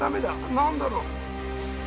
何だろう？